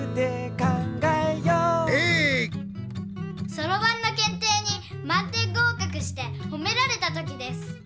そろばんのけんていにまん点ごうかくしてほめられた時です。